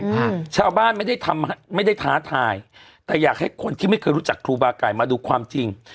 ค่ะชาวบ้านไม่ได้ทำไม่ได้ท้าทายแต่อยากให้คนที่ไม่เคยรู้จักครูบาไก่มาดูความจริง